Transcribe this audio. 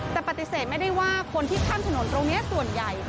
แต่ปฏิเสธไม่ได้ว่าคนที่ข้ามถนนตรงนี้ส่วนใหญ่